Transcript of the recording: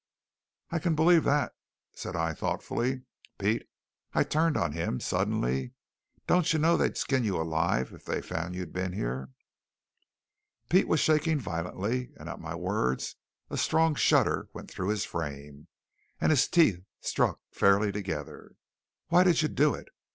"I can believe that," said I thoughtfully. "Pete," I turned on him suddenly, "don't you know they'd skin you alive if they found out you'd been here?" Pete was shaking violently, and at my words a strong shudder went through his frame, and his teeth struck faintly together. "Why did you do it?"